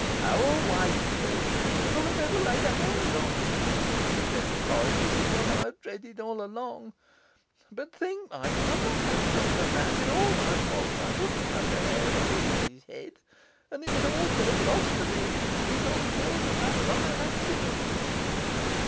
How or why you killed him...' 'I never laid a hand on him,' protested Morris. 'This is what I have dreaded all along. But think, Michael! I'm not that kind of man; with all my faults, I wouldn't touch a hair of anybody's head, and it was all dead loss to me. He got killed in that vile accident.